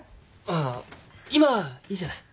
ああ今はいいじゃない。